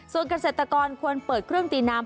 ส่วนเกษตรกรควรเปิดเครื่องตีน้ำ